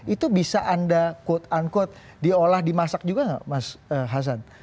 itu bisa anda quote unquote diolah dimasak juga nggak mas hasan